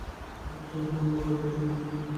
ত্যাগী সকলকে সমভাবে দেখে, সকলের সেবায় নিযুক্ত হয়।